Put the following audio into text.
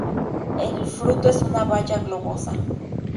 El fruto es una baya globosa.